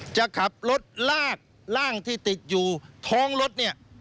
จะขับรถลากร่างที่ติดอยู่ท้องรถเนี่ย